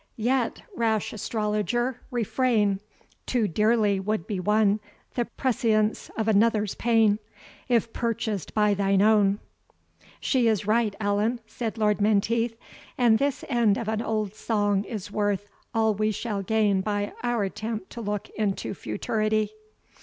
"Yet, rash astrologer, refrain! Too dearly would be won The prescience of another's pain, If purchased by thine own." "She is right, Allan," said Lord Menteith; "and this end of an old song is worth all we shall gain by our attempt to look into futurity."